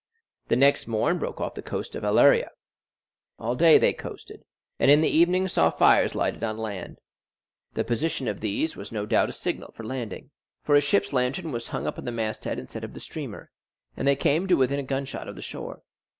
The next morn broke off the coast of Aleria; all day they coasted, and in the evening saw fires lighted on land; the position of these was no doubt a signal for landing, for a ship's lantern was hung up at the mast head instead of the streamer, and they came to within a gunshot of the shore.